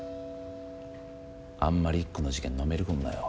あんまり１個の事件にのめり込むなよ